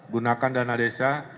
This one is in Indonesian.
gunakan dana desa